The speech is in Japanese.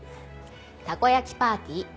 たこ焼きパーティー。